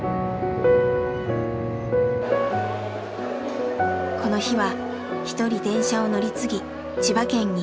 この日は一人電車を乗り継ぎ千葉県に。